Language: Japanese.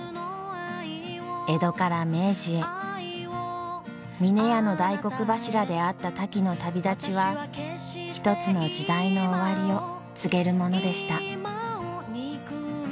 江戸から明治へ峰屋の大黒柱であったタキの旅立ちは一つの時代の終わりを告げるものでした。